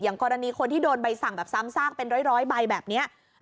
กรณีคนที่โดนใบสั่งแบบซ้ำซากเป็นร้อยใบแบบนี้